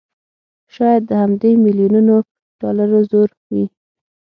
شايد د همدې مليونونو ډالرو زور وي